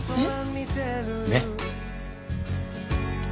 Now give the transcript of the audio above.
えっ？